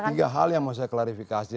tiga hal yang mau saya klarifikasi